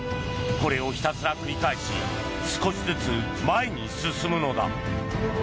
これをひたすら繰り返し少しずつ前に進むのだ。